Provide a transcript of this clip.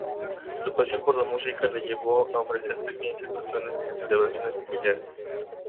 Su pasión por la música le llevó a ofrecer pequeñas actuaciones en celebraciones familiares.